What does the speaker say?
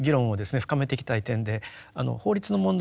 深めていきたい点で法律の問題